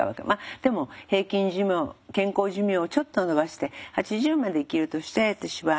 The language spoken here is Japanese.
でも平均寿命健康寿命をちょっと延ばして８０まで生きるとして私はあと１５年。